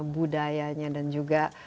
budayanya dan juga